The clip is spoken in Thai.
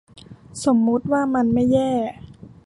สมมติว่ามันไม่แย่